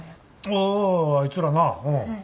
あああいつらなうん。